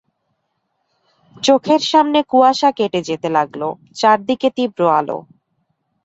চোখের সামনে কুয়াশা কেটে যেতে লাগল-চারদিকে তীব্র আলো!